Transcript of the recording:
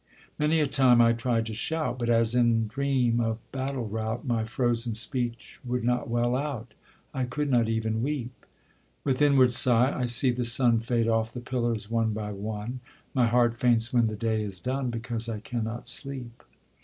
Many a time I tried to shout; But as in dream of battle rout, My frozen speech would not well out; I could not even weep. With inward sigh I see the sun Fade off the pillars one by one, My heart faints when the day is done, Because I cannot sleep.